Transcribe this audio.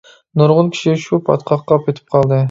نۇرغۇن كىشى شۇ پاتقاققا پېتىپ قالدى.